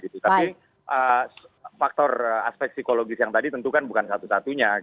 tapi faktor aspek psikologis yang tadi tentu kan bukan satu satunya